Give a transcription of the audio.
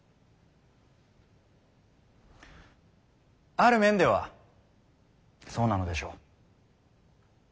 ある面ではそうなのでしょう。